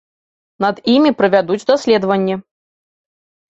Над імі правядуць даследаванні.